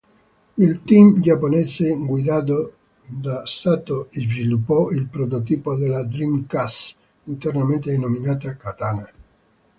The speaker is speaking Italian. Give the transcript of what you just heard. Il team giapponese guidato da Sato sviluppò il prototipo della Dreamcast, internamente denominata "Katana".